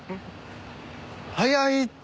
早いって。